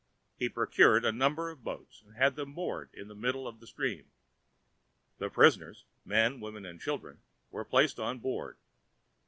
He procured a number of boats, and had them moored in the middle of the stream. The prisoners—men, women, and children—were placed on board.